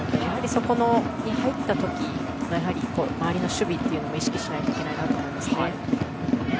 そこに入った時の周りの守備というのも意識しないといけないと思います。